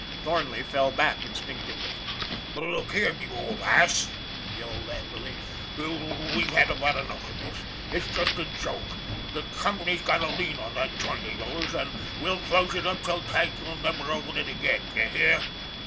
Thornley fell back instinctively. " Look here, you old ass !" he yelled angrily, " we've had about enough of this. It's past a joke. The company's got a lien on that joint of yours, and we'll close it up so tight you'll never open it again d'ye hear?"